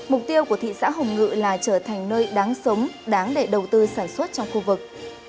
mục tiêu của thị xã hồng ngự là trở thành nơi đáng sống đáng để đầu tư sản xuất trong khu vực